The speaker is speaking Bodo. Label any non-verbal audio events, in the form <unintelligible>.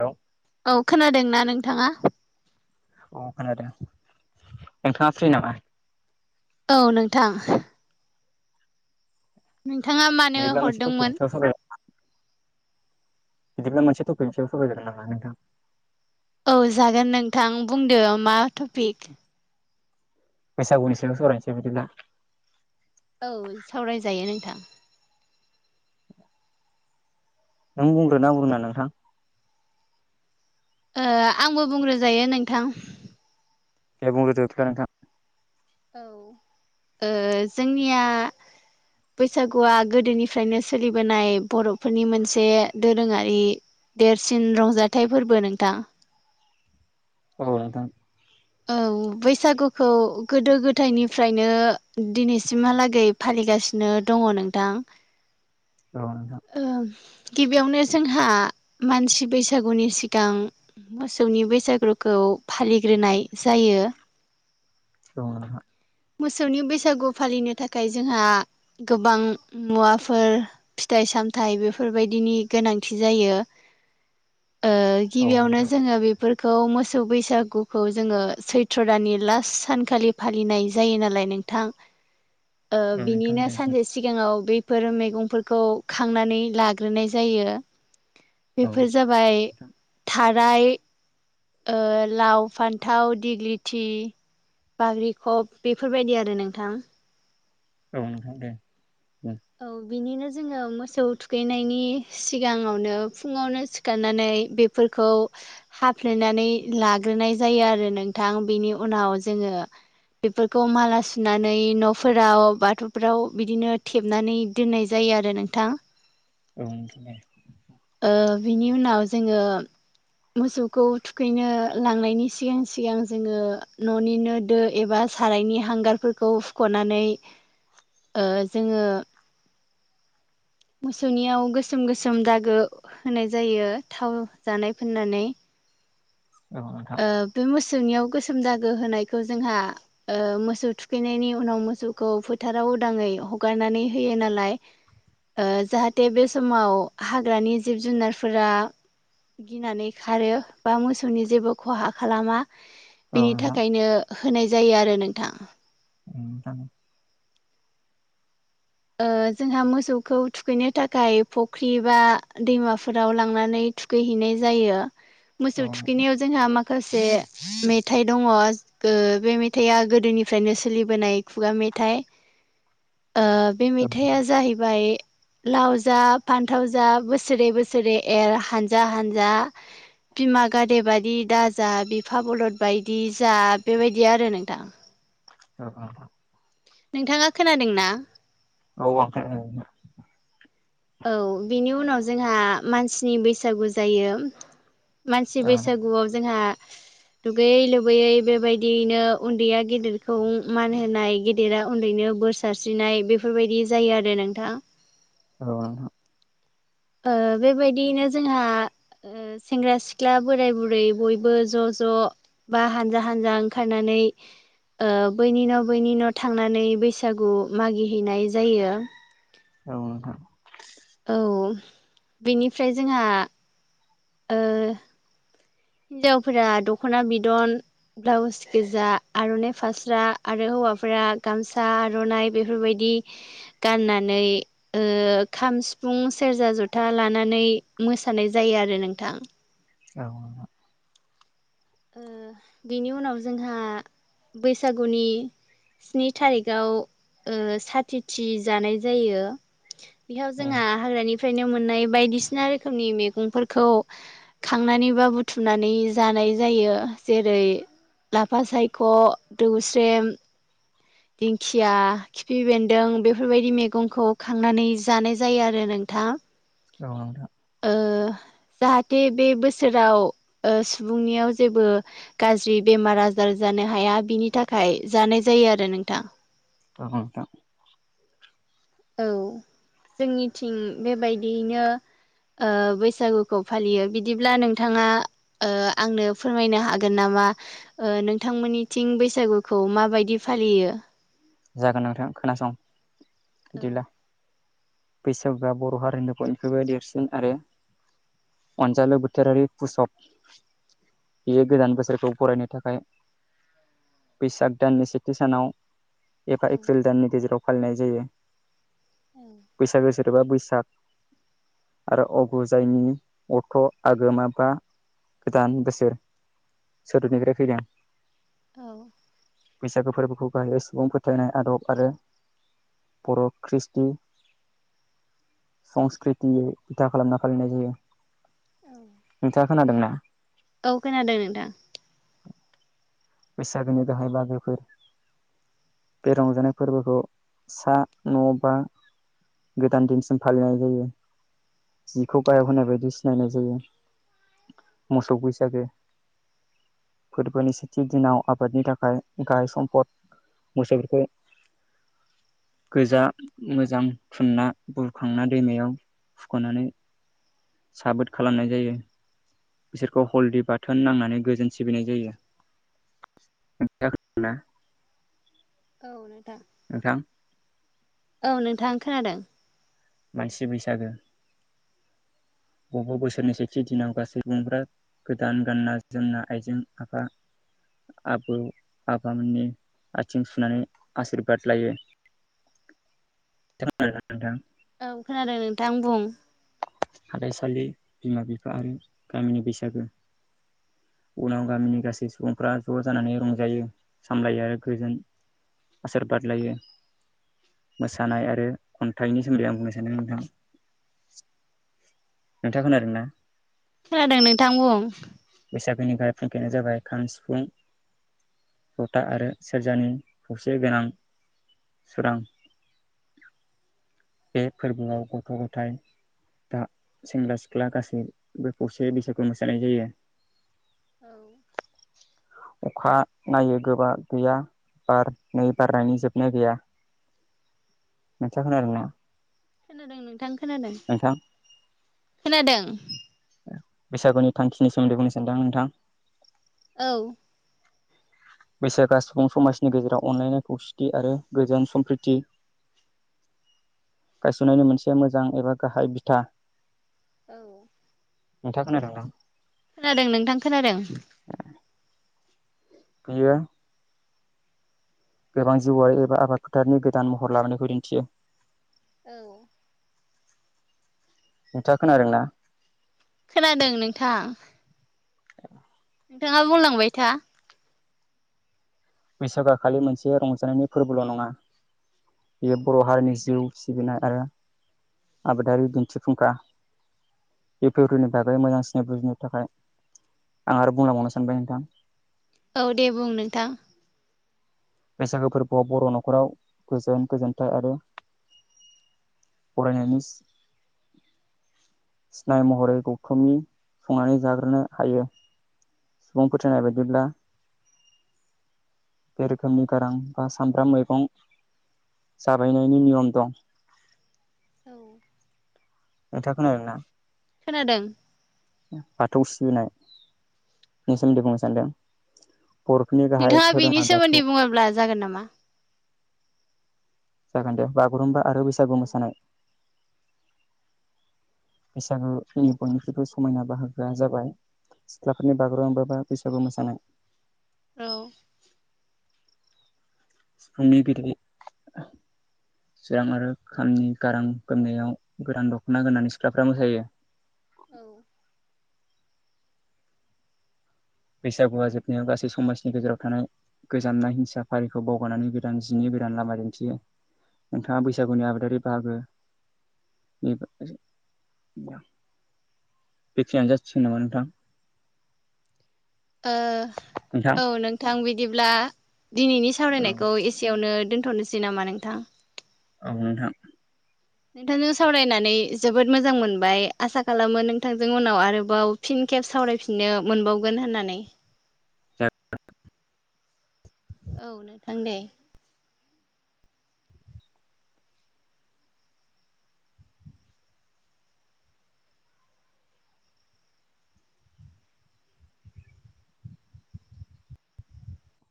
औ औ खोनादोंना नोंथाङा? अ खोनादों नोंथांङा फ्रिना मा? औ नोंथां। नोंथाङा मानो बिदिब्ला मोनसे टपिकनि हरदोंमोन? सायाव बिदि मोनसे टपिकनि सायाव सावराय ग्रोनो नामा नोंथां? औ जागोन नोंथां बुंदो मा टपिक बैसागुनि सायाव' सावरायनोसै बिदिब्ला औ सावरायजायो नोंथां। नों बुंग्रोनोना आं बुंग्रोनो नोंथां ओ आंबो बुंग्रोजायो नोंथां दे बुंग्रोदो नोंथां औ ओ जोंनिया बैसागुआ गोदोनिफ्रायनो सोलिबोनाय बर'फोरनि मोनसे दोरोङारि देरसिन रंजाथाइ फोरबो नोंथां औ नोंथां औ बैसागुखौ गोदो गोदायनिफ्रायनो दिनैसिमहालागै फालि लिबोगासिनो दङ नोंथां औ नोंथां ओ गिबियावनो जोंहा मानसि बैसागुनि सिगां मोसौनि बैसागुखौ फालिग्रोनाय जायो। औ नोंथां मोसौनि बैसागु फालिनो थाखाय जोंहा गोबां मुवाफोर फिथाइ फिथाइ सामथाइ बेफोरबायदिनि गोनांथि जायो। ओ औ नोंथां औ गिबियावनो नोंथां दे जोङो बे फोरखौ मोसौ बैसागुखौ जोङो सैथ्र' दाननि लास सानखालि फालिनाय जायो नालाय नोंथां औ नोंथां औ बिनिनो ओ नोंथां दे सानसे सिगांआव बे बेफोर मैगंफोरखौ खांनानै लाग्रोनाय जायो। बेफोर औ जाबाय थाराय ओ लाव फान्थाव दिग्लिथि बाग्रिखब बेफोरबायदि आरो नोंथां। औ नोंथां दे औ बिनिनो जोङो मोसौ थुखैनायनि सिगाङावनो फुङावनो सिखारनानै बेफोर खौ हाफ्लेनानै लाग्रोनाय जायो आरो नोंथां बेनि उनाव जोङो बेफोरखौ माला सुनानै न'फोराव बाथौफोराव बिदिनो खेबनानै दोननाय जायो आरो नोंथां औ नोंथां औ ओ बिनि उनाव जोङो मोसौखौ थुखैनो लांनायनि सिगां सिगां जोङो न'निनो दो एबा सारायनि हांगारफोरखौ हुख'नानै ओ जोङो मोसौनियाव गोसोम गोसोम दागो होनाय जायो थाव जानाय फोननानै ओ बे मोस सौनिआव गोसोम दागो होनायखौ जोंहा ओ मोसौ थुखैनायनि उनाव मोसौखौ फोथाराव उदाङै हगारनानै होयो नालाय ओ जाहाथे बे समाव हाग्रानि जिब जुनारफोरा गिनानै खारो बा मोसौनि जेबो खहा खालामा औ बिनि थाखायनो होनाय जायो आरो नोंथां नोंथां ओ जोंहा मोसौखौ थुखैनो थाखाय फुख्रि बा दैमाफोराव लांनानै थुखैहैनाय जायो मोसौ थुखैनायाव जोंहा माखा खासे मेथाइ दङ ओ बे मेथाइआ गोदोनिफ्रायनो सोलिबोनाय खुगा मे थाइ ओ बे नोंथां औ नोंथां मेथाइआ जाहैबाय लाव जा फान्थाव जा बोसोरै बोसोरै एर हानजा हानजा बिमा गाइदे बायदि दाजा बिफा बलद बायदि जा बेबायदि आरो नोंथां <inaudible> अ अ नोंथाङा खोनादोंना औ आं खोनादों औ बेनि उनाव जोंहा मानसिनि बैसागु जायो मानसि बैसागुआव जोंहा दुगैयै लुबैयै बेबायदियैनो उन्दैया गेदेरखौ मान होनाय गेदेरा उन्दैनो बोर सारस्रिनाय बेफोरबायदि जायो आरो नोंथाङा औ ओ बेबायदियैनो जोंहा सेंग्रा सिख्ला बोराय बुरै बयबो ज' ज' बा हानजा हानजा ओंखारनानै नै ओ बै निन' बै निन' थांनानै बैसागु मागिहैनाय जायो औ नोंथां औ बेनिफ्राय जोंहा ओ हिनजावफोरा दख'ना बिदन ब्लाउस गोजा आर'नाइ फास्रा आरो हौवा गामसा आर'ना बेफोरबायदि गानानै ओ खाम सिफुं सेरजा जथा लानानै मोसानाय जायो आरो नोंथां औ बिनि उनाव जोंहा बैसागुनि स्नि तारिख आव ओ सात थिथि जानाय जायो बेहायाव जोंहा हाग्रानि फ्रायनो मोननाय बायदिसिना रोखोमनि मैगंफोरखौ खांनानै बा बुथुमनानै जानाय जायो जेरै लाफा सायख' दौस्रेम दिंखिया खिफि बेन्दों बेफोरबायदि मैगंखौ खांनानै जानाय जायो आरो नों थां औ नोंथां। जाहाथे बे बोसोराव ओ सुबुंनियाव जेबो गाज्रि बेमार आजार जानो हाया बिनि थाखाय जानाय जायो आरो नोंथां। औ नोंथां। औ जोंनिथिं बेबायदियैनो ओ बैसागुखौ फालियो बिदिब्ला नोंथाङा ओ आंनो फोरमायनो हागोन नामा ओ नोंथांमोननिथिं बैसागुखौ माबायदि फालियो? जागोन नोंथां खोनासं। औ बिदिब्ला बैसागुआ बर' हारिनि बयनिफ्रायबो देरसिन आरो अनजालु बोथोरारि <unintelligible> बियो गोदान बोसोरखौ बरायनो थाखाय बैसाग दाननि सेथि सानाव एफा एप्रिल दाननि गेजेराव फालिनाय जायो बैसागो आरोबा बैसाग आरो अगु जायनि अथ' आगोमाबा गोदान बोसोर सोदोबनिफ्राय फैदों। औ बैसागो फोरबोखौ गाहायै सुबुंफोर फोथायनाय आदब आरो बर' खृषटि संस्कृति बिथा खालामना फालिनाय जायो। नोंथाङा खोनादोंना? औ खोनादों नोंथां। बैसागोनि गाहाय बाहागोफोर बे रंजानाय फोरबोखौ सा न' बा गोदान दिनसिम फालिनाय जायो। जिखौ गायक होनाय बायदि सिनायनाय जायो। मोसौ बैसागो फोरबोनि थि दिनाव आबादनि थाखाय गाहाय सम्फद मोसौफोरखौ गोजा मोजां थुनना बुरखांना दैमायाव फुख'नानै साबोद खालामनाय जायो। बिसोरखौ हलदि बाथोन नांनानै गोजोन सिबिनाय जायो <unintelligible> औ नोंथां। नोंथां औ नोंथां खोनादों। मानसि बैसागो। बबेबा बोसोरनि सेथि दिनाव गासै सुबुंफ्रा गोदान गानना जोमना आइजें आफा आबौ आबामोननि आथिं सुनानै आशिरबाद लायो। <unintelligible> औ खोनादों नोंथां आं बुं। हाथाइसालि बिमा बिफा आरो गामिनि बैसागो। उनाव गामिनि गासै सुबुंफ्रा ज' जानानै रंजायो सामलायो आरो गोजोन आसोर बादलायो। मोसानाय आरो खन्थाइनि सोमोन्दै आं बुंनो सानदों नोंथां। नोंथां खोनादोंना? खोनादों नोंथां बुं। बैसागोनि गाहाय फुंखायानो जाबाय खाम सिफुं। जथा आरो सेरजानि फसे गोनां सोरां बे फोरबोआव गथ' गथाय दा सेंग्रा सिख्ला गासैबो फसे बैसागु मोसानाय जायो । औ अखा नायो गोबा गैया । बार नै बारनायनि जोबनाय गैया नोंथाङा खोनादों ना? खोनादों नोंथां खोनादों खोनादों । बैसागुनि थान्खिनि सोमोन्दै बुंनो सान्दों नोंथां । औ । बैसागा सुबुं समाजनि गेजेराव अनलायनाय खौसेथि आरो गोजोन सम्प्रिति । गायसननायनि मोनसे मोजां एबा गाहाय बिथा औ नोंथांङा खोनादोंना? नोंथां खोनादों बियो गोबां जिउआरारि एबा आबाद फोथारनि गोदान महर लाबोनायखौ दिन्थियो । औ नोंथां खोनादोंना? खोनादों नोंथां । औ नोंथांङा बुंलांबाय था । बैसागुया खालि मोनसे रंजानायनि फोरबोल' नंङा । बेयो बर' हारिनि जिउ सिबिनाय आरो आबादारि दिन्थिफुंखा इउ पि नि बागै मोजांसिन बुजिनो थाखाय आं आरो बुंलाबावनो सानबाय नोंथां । औ दे बुं नोंथां । बैसागो फोरबोआव बर' न'खराव गोजोन गोजोनथाइ आरो फरायनायनिस सिनाय महरै गौथुमनि संनानै जाग्रोनो हायो । सुबुं फोथायनाय बायदिब्ला बे रोखोमनि गारां बा सामब्राम मैगं जाबायनायनि नियम दं । औ नोंथांङा खोनादोंना? खोनादों । बाथौ सिबिनाय नि सोमोन्दै बुंनो सानदों बर'फनि गाहाय नोंथाङा बेनि धोरोमा सोमोन्दै बाथौ । बुङोब्ला जागोन नामा? जागोन दे बागुरुम्बा आरो बैसागु मोसानाय । <inaudible> बैसागोनि बयनिख्रुइबो समायना बाहागोआ जाबाय सिख्लाफोरनि बागुरुम बा बैसागु मोसानाय । औ सिफुंनि बिरगि चिरां आरो खामनि गारां गोमनायाव गोरान दख'ना गोरनानै सिख्लाफ्रा मोसायो । औ बैसागुआ जोबनायाव गासै समाजनि गेजेराव थानाय गोजामनाय हिंसा फारिखौ बावगनानै गोदान जिनि गोदान लामा दिन्थियो नोंथांङा बैसागुनि आबादारि बाहागो <unintelligible> बेखिनियानो जाथसिगोन नामा नोंथां । ओ औ नोंथां बिदिब्ला दिनैनि औ सावरायनायखौ एसेयावनो दोन्थ'नोसै नामा नोंथां। औ नोंथां। नोंथांजों सावरायनानै जोबोद मोजां मोनबाय आसा खालामो नोंथांजों उनाव आरोबाव फिन खेब सावरायफिननो मोनबावगोन होननानै। <unintelligible> औ नोंथां दे।